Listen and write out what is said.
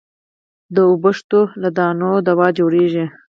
د اوبښتو له دانو دوا جوړېږي.